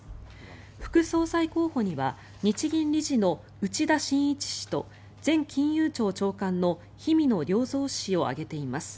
副総裁候補には日銀理事の内田眞一氏と前金融庁長官の氷見野良三氏を挙げています。